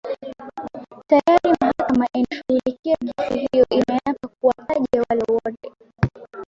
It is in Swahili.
tayari mahakama inashughulikia kesi hiyo imeapa kuwataja wale wote